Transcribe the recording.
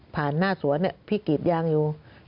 ผ่านหน้าสวนพี่กีดยางอยู่